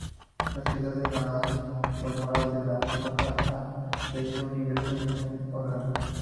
La ciudad de Navalmoral de la Mata ha pedido su ingreso en el órgano.